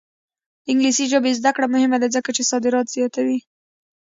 د انګلیسي ژبې زده کړه مهمه ده ځکه چې صادرات زیاتوي.